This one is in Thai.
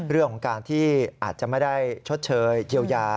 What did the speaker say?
เรื่องของการที่อาจจะไม่ได้ชดเชยเยียวยา